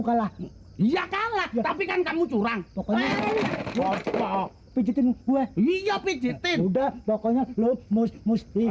kalah iya kalah tapi kan kamu curang pokoknya pijetin gue iya pijetin udah pokoknya lo musik